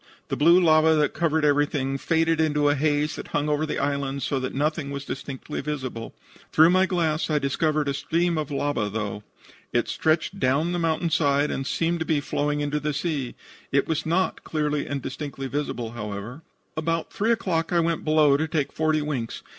The blue lava that covered everything faded into the haze that hung over the island so that nothing was distinctly visible. Through my glass I discovered a stream of lava, though. It stretched down the mountain side, and seemed to be flowing into the sea. It was not clearly and distinctly visible, however. "About 3 o'clock I went below to take forty winks.